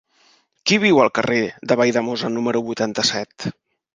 Qui viu al carrer de Valldemossa número vuitanta-set?